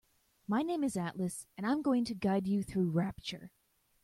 My name is Atlas and I'm going to guide you through Rapture.